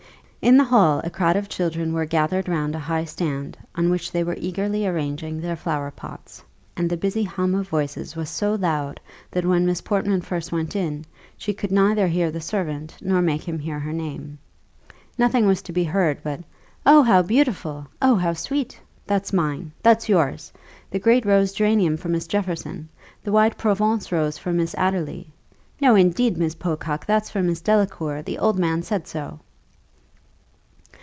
In the hall a crowd of children were gathered round a high stand, on which they were eagerly arranging their flower pots; and the busy hum of voices was so loud, that when Miss Portman first went in, she could neither hear the servant, nor make him hear her name. Nothing was to be heard but "Oh, how beautiful! Oh, how sweet! That's mine! That's yours! The great rose geranium for Miss Jefferson! The white Provence rose for Miss Adderly! No, indeed, Miss Pococke, that's for Miss Delacour; the old man said so."